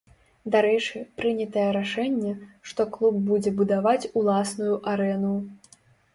Дарэчы, прынятае рашэнне, што клуб будзе будаваць уласную арэну.